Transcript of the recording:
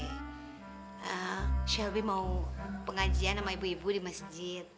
ehm selvi mau pengajian sama ibu ibu di masjid